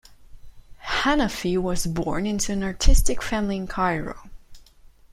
Hanafi was born into an artistic family in Cairo.